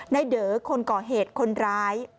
เด๋อคนก่อเหตุคนร้าย